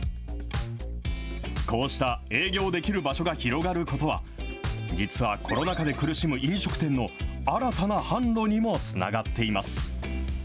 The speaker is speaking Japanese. こうした営業できる場所が広がることは、実はコロナ禍で苦しむ飲食店の新たな販路にもつながっています。